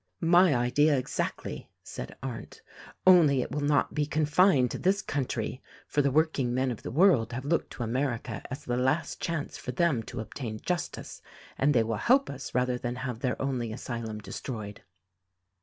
"My idea exactly," said Arndt, "only it will not be con fined to this country; for the workingmen of the world have looked to America as the last chance for them to obtain justice, and they will help us rather than have their only asylum destroyed."